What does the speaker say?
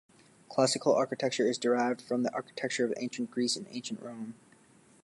Classical architecture is derived from the architecture of ancient Greece and ancient Rome.